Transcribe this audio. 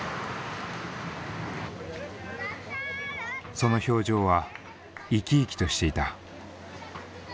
その表情は生き生きとしていた。